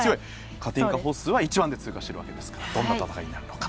カティンカ・ホッスーは１番で通過しているわけですからどんな戦いになるのか。